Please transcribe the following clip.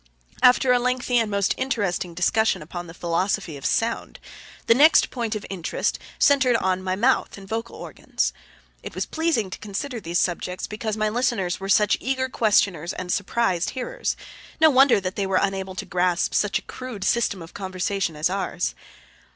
After a lengthy and most interesting discussion upon the philosophy of sound, the next point of interest centered on my mouth and vocal organs. It was pleasing to consider these subjects because my listeners were such eager questioners and surprised hearers. No wonder that they were unable to grasp such a crude system of conversation as ours!